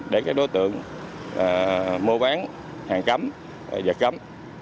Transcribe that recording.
để các đối tượng mua bán hàng cấm giặt cấm